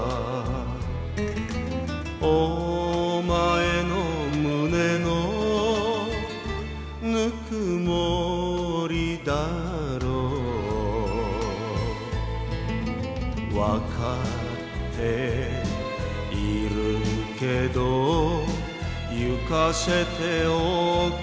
「お前の胸のぬくもりだろう」「わかっているけど行かせておくれ」